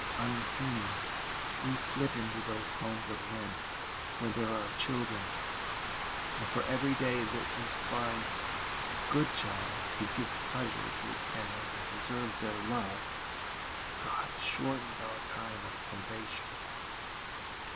" Unseen we flit into those homes of men where there are children, and for every day that we find a good child who gives pleasure to its parents and deserves their love, God shortens our time of probation.